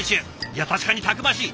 いや確かにたくましい。